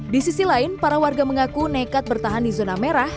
di sisi lain para warga mengaku nekat bertahan di zona merah